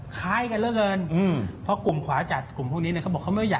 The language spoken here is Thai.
คล้ายกันเรื่องเงินเพราะกลุ่มขวาจัดกลุ่มพวกนี้เนี่ยเขาบอกว่า